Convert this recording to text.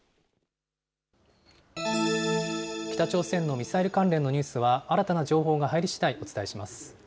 北朝鮮のミサイル関連のニュースは、新たな情報が入りしだいお伝えします。